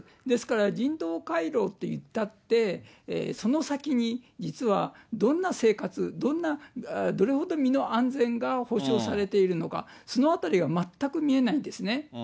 ですから、人道回廊っていったって、その先に実は、どんな生活、どれほど身の安全が保障されているのか、そのあたりが全く見えないですね。